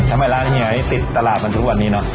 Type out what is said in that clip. ทำไมร้านนี้ขายติดตลาดมันทุกวันนี้เนอะ